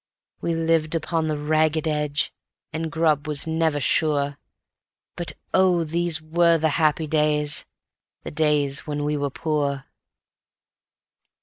We lived upon the ragged edge, and grub was never sure, But oh, these were the happy days, the days when we were poor.